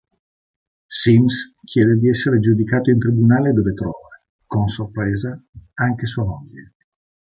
Simms chiede di essere giudicato in tribunale dove trova, con sorpresa, anche sua moglie.